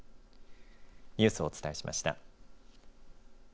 ニュースをお伝えしました。